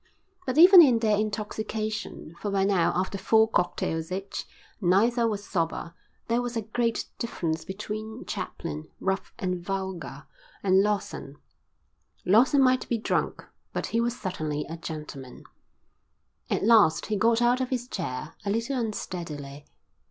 But even in their intoxication, for by now after four cocktails each, neither was sober, there was a great difference between Chaplin, rough and vulgar, and Lawson: Lawson might be drunk, but he was certainly a gentleman. At last he got out of his chair, a little unsteadily.